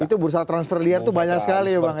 itu bursa transfer liar tuh banyak sekali ya bang ya